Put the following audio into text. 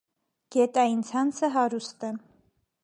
Գետային ցանցը հարուստ է։